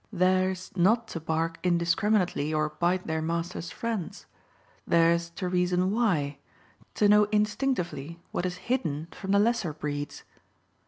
Theirs not to bark indiscriminately or bite their master's friends. Theirs to reason why: to know instinctively what is hidden from the lesser breeds.